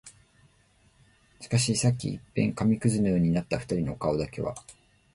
しかし、さっき一片紙屑のようになった二人の顔だけは、